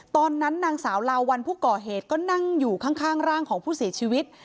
ตอนนั้นนางสาวลาวัลผู้ก่อเหตุก็นั่งอยู่ข้างร่างของผู้เสียชีวิต